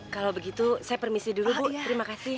kalau begitu saya permisi dulu bu terima kasih